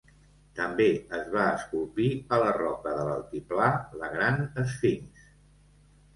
També es va esculpir a la roca de l'altiplà la Gran Esfinx.